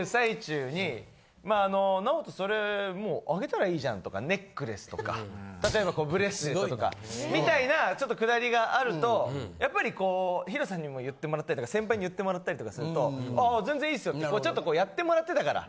まああのＮＡＯＴＯそれもう。とかネックレスとか例えばこうブレスレットとかみたいなちょっとくだりがあるとやっぱりこうＨＩＲＯさんにも言ってもらったりとか先輩に言ってもらったりとかすると「ああ全然いいっすよ」ってこうちょっとやってもらってたから。